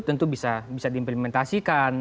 tentu bisa diimplementasikan